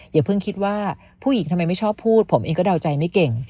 อย่าเพิ่งคิดว่าผู้หญิงทำไมไม่ชอบพูดผมเองก็เดาใจไม่เก่ง